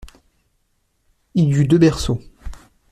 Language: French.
Il y eut deux berceaux.